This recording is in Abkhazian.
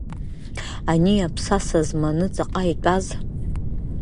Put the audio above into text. Ани аԥсаса зманы ҵаҟа итәаз.